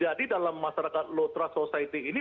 jadi dalam masyarakat low trust society ini